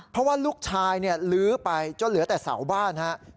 เพราะว่าลูกชายลื้อไปจนเหลือแต่เสาบ้านครับ